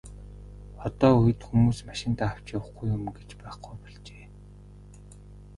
Одоо үед хүмүүс машиндаа авч явахгүй юм гэж байхгүй болжээ.